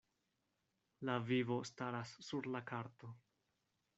La vivo staras sur la karto.